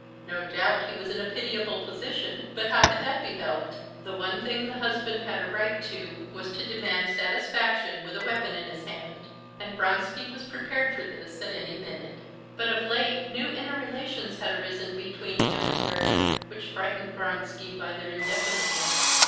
No doubt he was in a pitiable position, but how could that be helped? The one thing the husband had a right to was to demand satisfaction with a weapon in his hand, and Vronsky was prepared for this at any minute. But of late new inner relations had arisen between him and her, which frightened Vronsky by their indefiniteness.